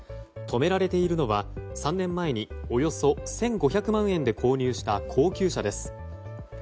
止められているのは３年前におよそ１５００万円で購入した高級車です。